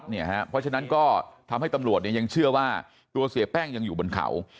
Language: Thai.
เพราะฉะนั้นก็ทำให้ตำรวจยังเชื่อว่าตัวเสียแป้งยังอยู่บนเขา